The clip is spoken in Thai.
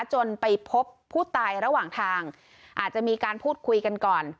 จนไปพบผู้ตายระหว่างทางอาจจะมีการพูดคุยกันก่อน